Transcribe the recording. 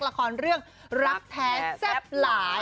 ละครเรื่องรักแท้แซ่บหลาย